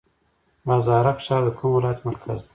بازارک ښار د کوم ولایت مرکز دی؟